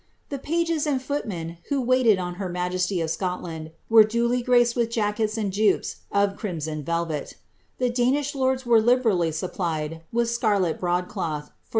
The pages and footmen who waited on her majesty of Scotland were duly graced with jackets and jupes of crimson velvet The Danish lords were liberally supplied with scarlet broad > Bannatyne Papers.